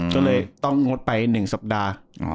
ก็เลยต้องงดไป๑สัปดาห์